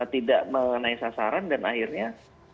tidak mengenai sasaran dan akhirnya